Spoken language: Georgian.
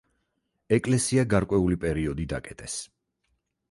ეკლესია გარკვეული პერიოდი დაკეტეს.